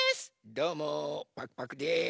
どうもパクパクです！